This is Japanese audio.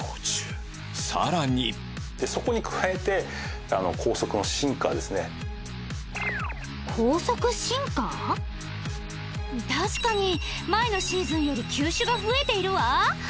さらにでそこに加えて確かに前のシーズンより球種が増えているわ